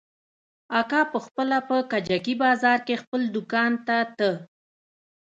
اکا پخپله په کجکي بازار کښې خپل دوکان ته ته.